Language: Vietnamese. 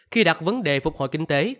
khi đặt vấn đề phục hồi kinh tế